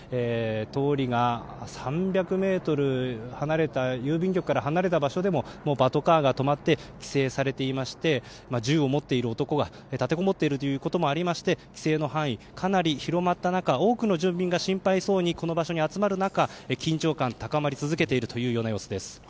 通りが３００ｍ離れた郵便局から離れた場所でもパトカーが止まって規制されていまして銃を持っている男が立てこもっているということもありまして規制の範囲、かなり広まった中多くの住民が心配そうにこの場所に集まる中緊張感、高まり続けているというような様子です。